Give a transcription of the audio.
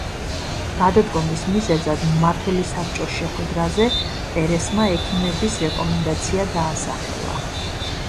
გადადგომის მიზეზად მმართველი საბჭოს შეხვედრაზე პერესმა ექიმების რეკომენდაცია დაასახელა.